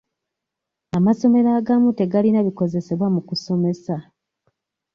Amasomero agamu tegalina bikozesebwa mu musomesa.